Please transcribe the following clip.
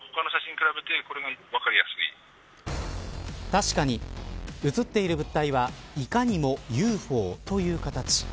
確かに写っている物体はいかにもＵＦＯという形。